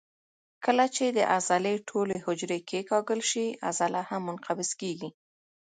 کله چې د عضلې ټولې حجرې کیکاږل شي عضله هم منقبض کېږي.